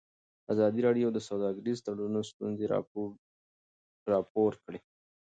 ازادي راډیو د سوداګریز تړونونه ستونزې راپور کړي.